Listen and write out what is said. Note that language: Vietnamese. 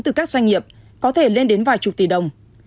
từ các doanh nghiệp có thể lên đến vài chục tỷ đồng